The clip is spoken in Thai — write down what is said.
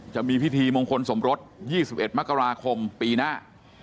จะมีพิธีมงคลสมรส๒๑มกราคมปีหน้า